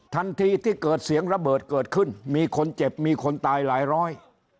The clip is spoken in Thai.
ทันทีที่เกิดเสียงระเบิดเกิดขึ้นมีคนเจ็บมีคนตายหลายร้อย